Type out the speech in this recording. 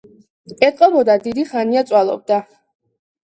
ეტყობოდა, დიდი ხანია წვალობდა.